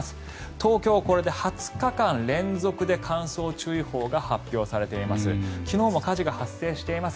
東京はこれで２０日間連続で乾燥注意報が発表されています。